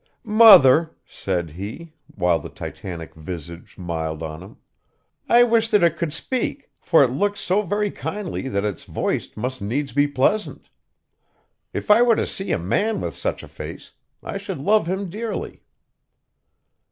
'Mother,' said he, while the Titanic visage miled on him, 'I wish that it could speak, for it looks so very kindly that its voice must needs be pleasant. If I were to See a man with such a face, I should love him dearly.